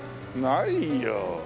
ないよ。